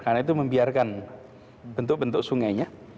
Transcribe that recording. karena itu membiarkan bentuk bentuk sungainya